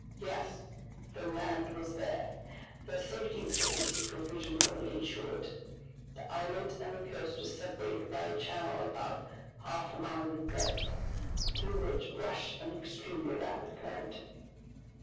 Yes! the land was there. Their safety was at least provisionally insured. The islet and the coast were separated by a channel about half a mile in breadth, through which rushed an extremely rapid current.